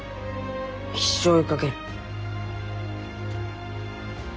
一生追いかける。